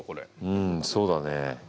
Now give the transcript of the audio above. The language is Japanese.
うんそうだね。